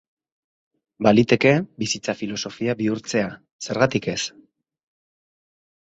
Baliteke bizitza filosofia bihurtzea, zergatik ez?